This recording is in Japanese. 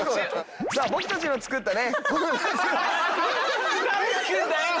さあ僕たちの作ったね。